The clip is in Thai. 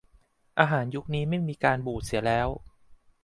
อาหารยุคนี้ไม่มีการบูดเสียแล้ว